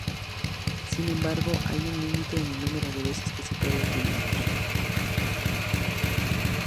Sin embargo, hay un límite en el número de veces que se puede utilizar.